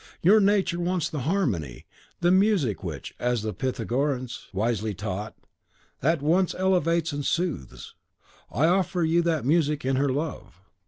Your nature wants the harmony, the music which, as the Pythagoreans wisely taught, at once elevates and soothes. I offer you that music in her love."